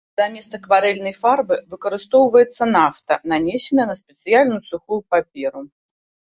Замест акварэльнай фарбы выкарыстоўваецца нафта, нанесеная на спецыяльную сухую паперу.